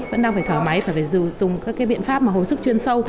vẫn đang phải thở máy phải dùng các biện pháp hồi sức chuyên sâu